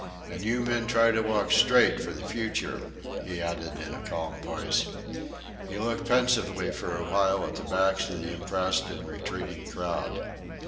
"And you men try to walk straight for the future," he added in a calm voice. He looked pensively for a while at the backs of the impressed and retreating crowd.